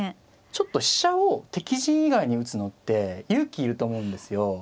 ちょっと飛車を敵陣以外に打つのって勇気いると思うんですよ。